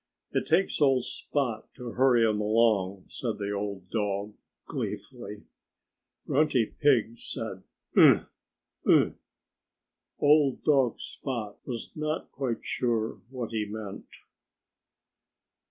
"It takes old Spot to hurry 'em along," said the old dog gleefully. Grunty Pig said "Umph! Umph!" Old dog Spot was not quite sure what he meant.